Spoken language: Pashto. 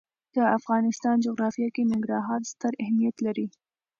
د افغانستان جغرافیه کې ننګرهار ستر اهمیت لري.